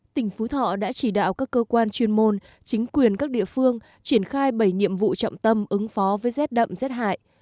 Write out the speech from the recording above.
tỉnh phú thọ đã chỉ đạo các cơ quan chuyên môn chính quyền các địa phương triển khai bảy nhiệm vụ trọng tâm ứng phó với rét đậm rét hại